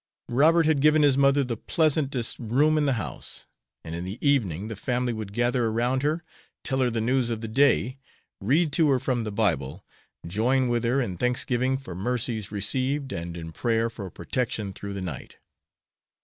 Robert had given his mother the pleasantest room in the house, and in the evening the family would gather around her, tell her the news of the day, read to her from the Bible, join with her in thanksgiving for mercies received and in prayer for protection through the night.